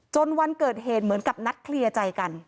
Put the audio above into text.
วันเกิดเหตุเหมือนกับนัดเคลียร์ใจกัน